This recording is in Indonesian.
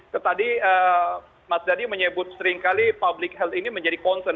tadi mas dady menyebut seringkali public health ini menjadi konsen